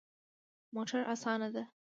موټر اسانه ده